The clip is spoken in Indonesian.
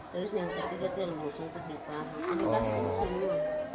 terus yang ketiga di rumah di rumah